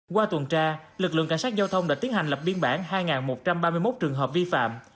qua tuần tra lực lượng cảnh sát giao thông đã tiến hành lập biên bản hai một trăm ba mươi một trường hợp vi phạm